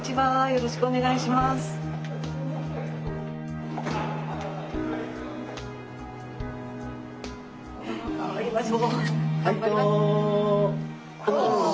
よろしくお願いします。